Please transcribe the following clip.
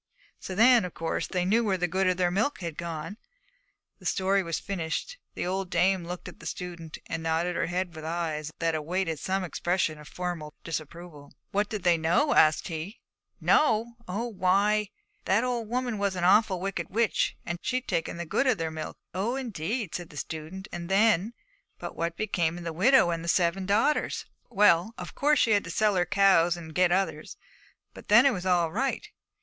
So then, of course they knew where the good of their milk had gone.' The story was finished. The old dame looked at the student and nodded her head with eyes that awaited some expression of formal disapproval. 'What did they know?' asked he. 'Know! Oh, why, that the old woman was an awful wicked witch, and she'd taken the good of their milk.' 'Oh, indeed!' said the student; and then, 'But what became of the widow and the seven daughters?' 'Well, of course she had to sell her cows and get others, and then it was all right.